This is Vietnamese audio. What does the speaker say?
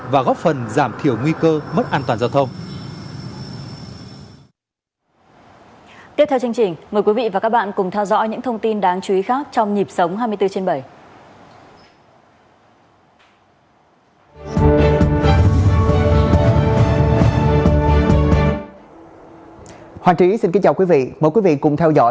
và góp phần giảm thiểu nguy cơ mất an toàn giao thông